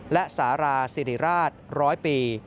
และสาราสิริราช๑๐๐ปี